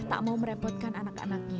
tak mau merepotkan anak anaknya